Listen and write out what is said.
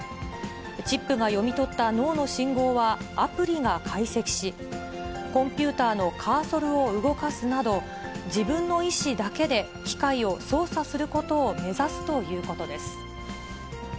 チップが読み取った脳の信号はアプリが解析し、コンピューターのカーソルを動かすなど、自分の意思だけで機械を操作することを目指すということです。